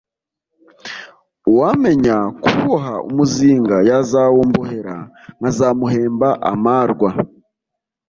uwamenya kuboha umuzinga yazawumbohera nkazamuhemba amarwa